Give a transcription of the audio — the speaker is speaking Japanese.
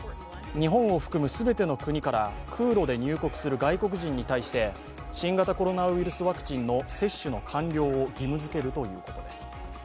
日本を含む全ての国から空路で入国する外国人に対して新型コロナウイルスワクチンの接種の完了を義務づけるということです。